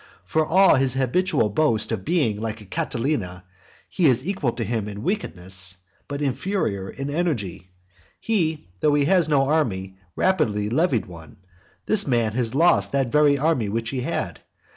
For as to his habitual boast of being like Catilina, he is equal to him in wickedness, but inferior in energy. He, though he had no army, rapidly levied one. This man has lost that very army which he had.